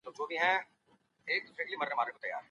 انسانان ځیني وخت له ژونده محرومیږي.